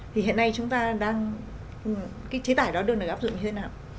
thì hiện nay chúng ta đang cái chế tài đó được được áp dụng như thế nào